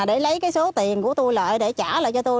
để lấy cái số tiền của tôi lợi để trả lại cho tôi